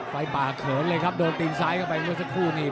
ไฟป่าเขินเลยครับโดนตีนซ้ายเข้าไปเมื่อสักครู่นี้